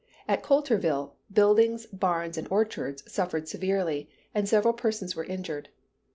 At Coulterville, buildings, barns, and orchards suffered severely, and several persons were injured.